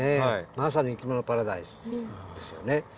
まさに「いきものパラダイス」ですよね。